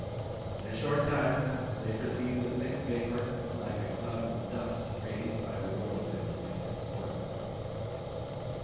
In a short time they perceived a thick vapour, like a cloud of dust raised by a whirlwind, advancing towards them.